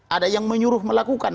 ada yang menyuruh melakukan